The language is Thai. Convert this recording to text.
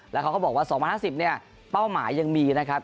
แล้วเขาก็บอกว่า๒๐๕๐เนี่ยเป้าหมายยังมีนะครับ